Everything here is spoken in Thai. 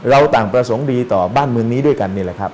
เราต่างประสงค์ดีต่อบ้านเมืองนี้ด้วยกันนี่แหละครับ